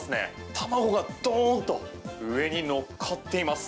卵がドーンと上に乗っかっています。